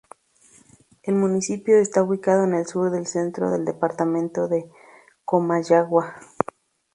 El municipio está ubicado en el sur del centro del departamento de Comayagua.